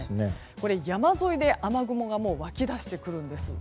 これ、山沿いで雨雲が湧き出してくるんです。